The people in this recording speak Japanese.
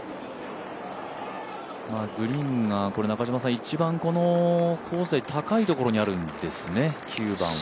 グリーンが一番このコースで高いところにあるんですね、９番は。